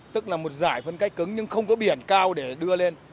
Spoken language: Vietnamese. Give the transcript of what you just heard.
tức là một giải phân cách cứng nhưng không có biển cao để đưa lên